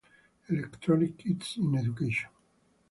Electronic kits in education.